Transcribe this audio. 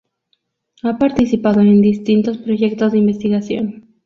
Ha participado en distintos proyectos de investigación.